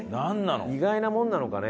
意外なものなのかね？